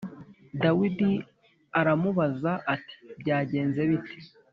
Dawidi aramubaza ati “Byagenze bite?